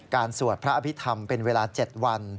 สวดพระอภิษฐรรมเป็นเวลา๗วัน